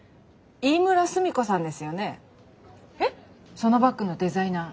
そのバッグのデザイナー。